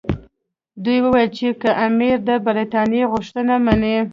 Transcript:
دوی ویل چې که امیر د برټانیې غوښتنې مني.